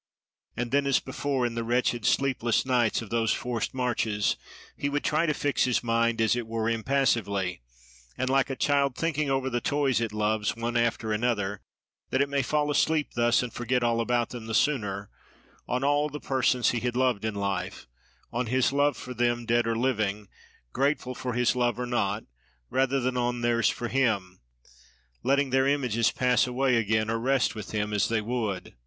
And then, as before in the wretched, sleepless nights of those forced marches, he would try to fix his mind, as it were impassively, and like a child thinking over the toys it loves, one after another, that it may fall asleep thus, and forget all about them the sooner, on all the persons he had loved in life—on his love for them, dead or living, grateful for his love or not, rather than on theirs for him—letting their images pass away again, or rest with him, as they would.